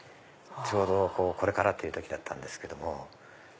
ちょうどこれからという時だったんですけども。